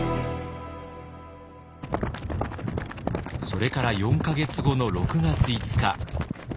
それから４か月後の６月５日。